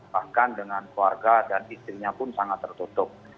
bahkan dengan keluarga dan istrinya pun sangat tertutup